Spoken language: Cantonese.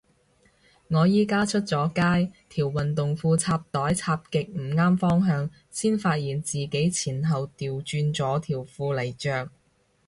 我而家出咗街，條運動褲插袋插極唔啱方向，先發現自己前後掉轉咗條褲嚟着